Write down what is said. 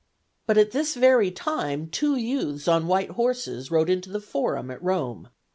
But at this very time two youths on white horses rode into the Forum at Rome.